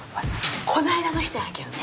この間の人やけどね。